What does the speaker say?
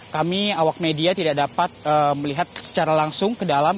kami awak media tidak dapat melihat secara langsung ke dalam